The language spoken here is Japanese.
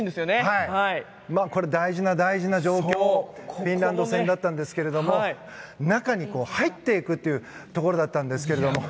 大事な大事な情報フィンランド戦だったんですが中に入っていくというところだったんですが。